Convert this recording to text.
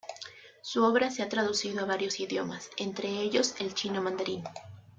Su obra se ha traducido a varios idiomas, entre ellos el chino mandarín.